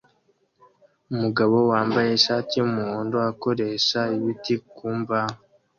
Umugabo wambaye ishati yumuhondo akoresha ibiti ku mbaho